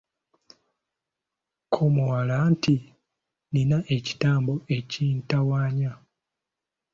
Kko omuwala nti, “Nnina ekitambo ekintawaanya!"